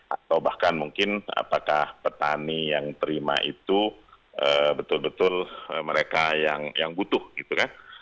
atau bahkan mungkin apakah petani yang terima itu betul betul mereka yang butuh gitu kan